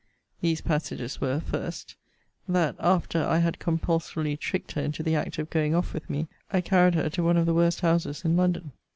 These passages were, 1st, 'That, after I had compulsorily tricked her into the act of going off with me, I carried her to one of the worst houses in London.'